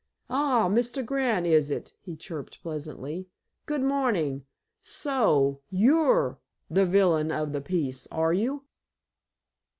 "Ah, Mr. Grant, is it!" he chirped pleasantly. "Good morning! So you're the villain of the piece, are you?"